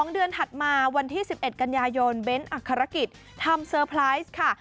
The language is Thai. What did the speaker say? ๒เดือนถัดมาวันที่๑๑กันยายนเบ้นอักษรกิจทำเซอร์ไพรส์ค่ะ